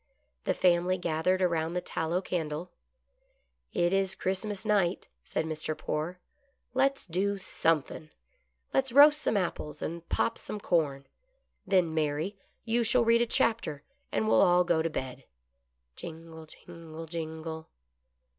The family gathered around the tallow candle. " It is Christmas night," said Mr. Poore. " Let's do somethin' — let's roast some apples and pop some corn — then, Mary, you shall read a chapter, and we'll all go to bed." Jingle^ jingle^ jmgle.